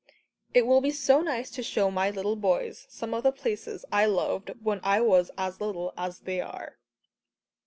It will be so nice to show my little boys some of the places I loved when I was as little as they are."